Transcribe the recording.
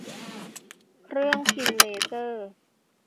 เครื่องพิมพ์เลเซอร์